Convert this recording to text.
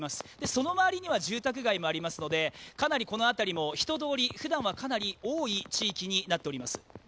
その周りには住宅街もありますので、かなりこの辺りも人通り、ふだんはかなり多い地域になっています。